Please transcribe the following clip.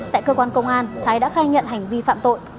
tại cơ quan công an thái đã khai nhận hành vi phạm tội